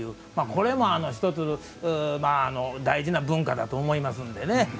これも、１つ大事な文化だと思いますのでね。